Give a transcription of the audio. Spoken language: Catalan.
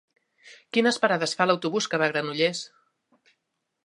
Quines parades fa l'autobús que va a Granollers?